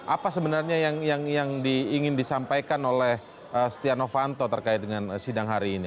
apa sebenarnya yang ingin disampaikan oleh setia novanto terkait dengan ini